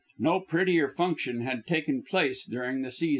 No prettier function had taken place during the season.